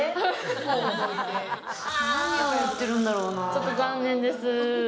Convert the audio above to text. ちょっと残念です。